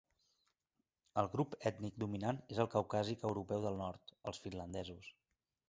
El grup ètnic dominant és el caucàsic europeu del nord, els finlandesos.